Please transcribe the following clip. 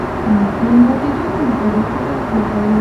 موږ د ماتېدو په مقابل کې کنټرول کوو